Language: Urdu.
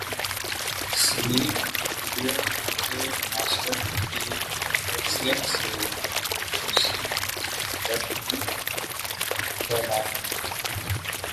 سنیک ویڈیو کے ماسٹر کی حیثیت سے ، مثبتیت پھیلائیں۔